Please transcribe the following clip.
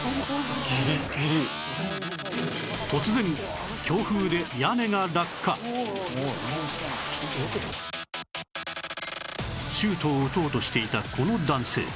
突然強風でシュートを打とうとしていたこの男性